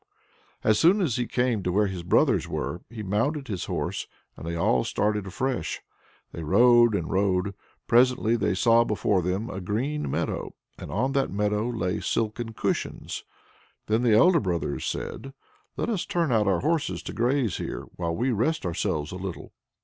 As soon as he came to where his brothers were, he mounted his horse, and they all started afresh. They rode and rode; presently they saw before them a green meadow, and on that meadow lay silken cushions. Then the elder brothers said, "Let's turn out our horses to graze here, while we rest ourselves a little."